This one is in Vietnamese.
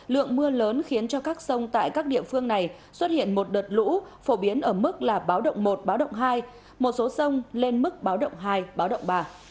lượng mưa lớn khiến cho các sông tại các địa phương này xuất hiện một đợt lũ phổ biến ở mức là báo động một báo động hai một số sông lên mức báo động hai báo động ba